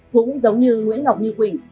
cũng giống như nguyễn ngọc như quỳnh